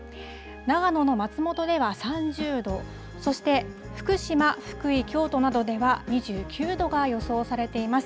長野の松本では３０度、そして福島、福井、京都などでは２９度が予想されています。